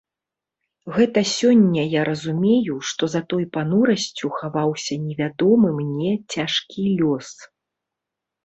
Гэта сёння я разумею, што за той панурасцю хаваўся невядомы мне цяжкі лёс.